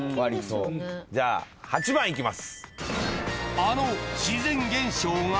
じゃあ８番いきます。